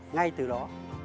ngay từ đó